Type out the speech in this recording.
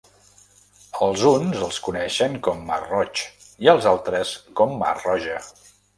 Els uns el coneixen com mar Roig i els altres com mar Roja.